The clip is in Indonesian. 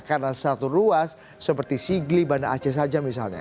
karena satu ruas seperti sigli bandar aceh saja misalnya